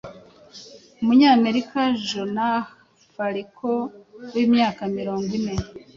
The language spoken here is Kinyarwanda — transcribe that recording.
Umunyamerika Jonah Falcon w’imyaka mirongo ine